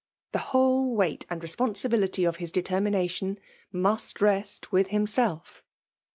The whole weight and responsibility of his determination must rest with himself.